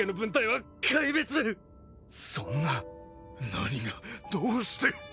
何がどうして。